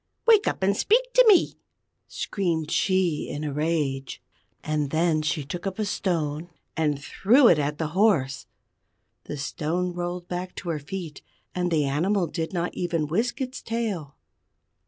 Wake up and speak to me!" screamed she in a rage. And then she took up a stone, and threw it at the horse. The stone rolled back to her feet, and the animal did not even whisk its tail.